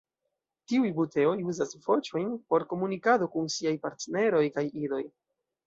Tiuj buteoj uzas voĉojn por komunikado kun siaj partneroj kaj idoj.